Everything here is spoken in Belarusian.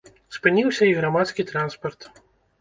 Спыніўся і грамадскі транспарт.